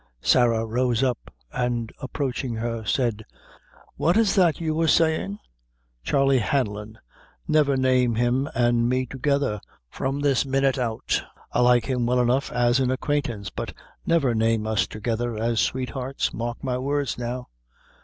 Sarah rose up and approaching her, said: "What is that you wor saying? Charley Hanlon! never name him an' me together, from this minute out. I like him well enough as an acquaintance, but never name us together as sweethearts mark my words now.